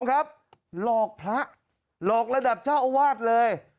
ครับหลอกพระหลอกระดับเจ้าอาวาสเลย